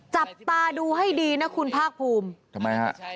จับตาดูให้ดีนะคุณภาพภูมิ